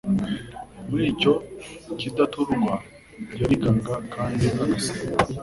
Muri icyo kidaturwa yarigaga kandi agasenga,